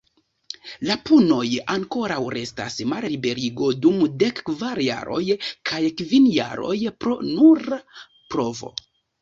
La punoj ankoraŭ restas malliberigo dum dekkvar jaroj, kaj kvin jaroj pro nura provo.